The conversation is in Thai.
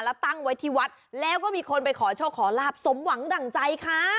แล้วตั้งไว้ที่วัดแล้วก็มีคนไปขอโชคขอลาบสมหวังดั่งใจค่ะ